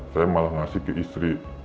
saya malah ngasih ke istri